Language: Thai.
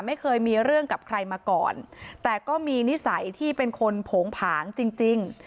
ไม่เคยมีเรื่องกับใครมาก่อนแต่ก็มีนิสัยที่เป็นคนโผงผางจริงจริง